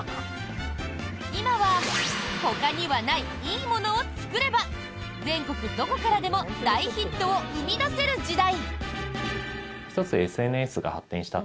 今はほかにはない、いいものを作れば全国どこからでも大ヒットを生み出せる時代！